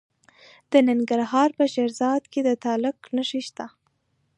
د ننګرهار په شیرزاد کې د تالک نښې شته.